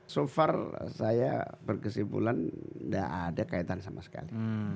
so far saya berkesimpulan tidak ada kaitan sama sekali